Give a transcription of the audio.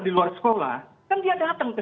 di luar sekolah kan dia datang ke